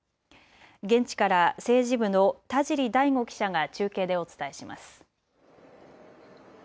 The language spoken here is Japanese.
現地から政治部の田尻大湖記者が中継でお伝えします。